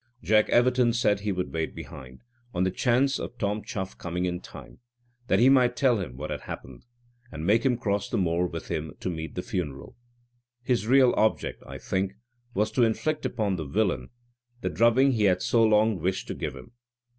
Jack Everton said he would wait behind, on the chance of Tom Chuff coming in time, that he might tell him what had happened, and make him cross the moor with him to meet the funeral. His real object, I think, was to inflict upon the villain the drubbing he had so long wished to give him.